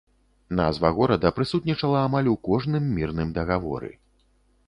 Назва горада прысутнічала амаль у кожным мірным дагаворы.